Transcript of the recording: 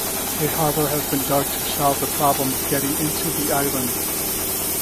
A harbour has been dug to solve the problem of getting into the island.